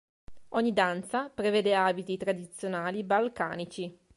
Ogni danza prevede abiti tradizionali balcanici.